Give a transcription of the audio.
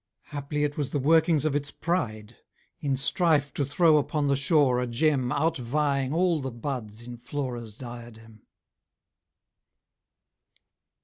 Haply it was the workings of its pride, In strife to throw upon the shore a gem Outvieing all the buds in Flora's diadem.